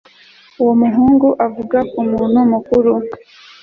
uwo muhungu avuga nkumuntu mukuru